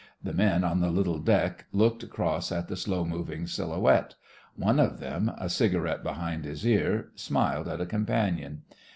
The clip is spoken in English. The men on the little deck looked across at the slow moving silhouette. One of them, a cigarette behind his ear, smiled at a companion.